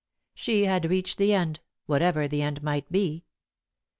She had reached the end, whatever the end might be.